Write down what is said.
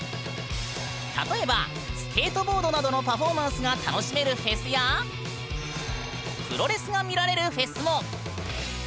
例えばスケートボードなどのパフォーマンスが楽しめるフェスやプロレスが見られるフェスも！